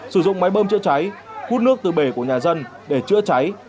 sử dụng máy bơm chữa cháy hút nước từ bể của nhà dân để chữa cháy